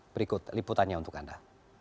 berikut liputannya untuk anda